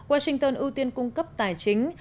washington ưu tiên cung cấp tài chính